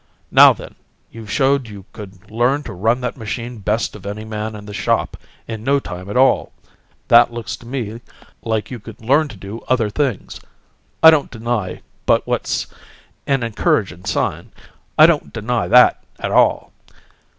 Now, then, you've showed you could learn to run that machine best of any man in the shop, in no time at all. That looks to me like you could learn to do other things. I don't deny but what it's an encouragin' sign. I don't deny that, at all.